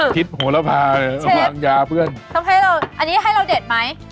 โหระพายระวังยาเพื่อนทำให้เราอันนี้ให้เราเด็ดไหม